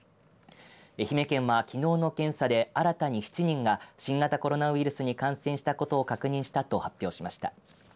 愛媛県は、きのうの検査で新たに７人が新型コロナウイルスに感染したことを確認したと発表しました。